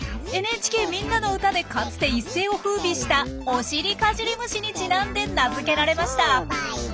「ＮＨＫみんなのうた」でかつて一世をふうびした「おしりかじり虫」にちなんで名づけられました。